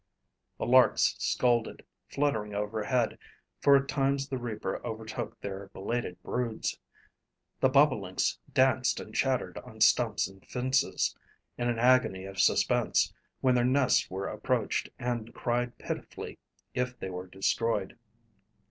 The larks scolded, fluttering over head, for at times the reaper overtook their belated broods. The bobolinks danced and chattered on stumps and fences, in an agony of suspense, when their nests were approached, and cried pitifully if they were destroyed.